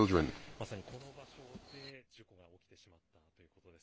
まさにこの場所で、事故が起きてしまったということです。